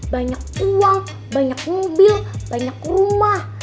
banyak uang banyak mobil banyak rumah